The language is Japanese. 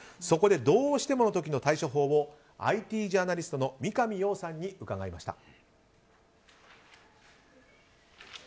そこでどうしてもの時の対処法をＩＴジャーナリストの三上洋さんに伺いました。